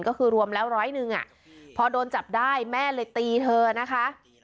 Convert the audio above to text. ก็คือรวมแล้วร้อยหนึ่งพอโดนจับได้แม่เลยตีเธอนะคะ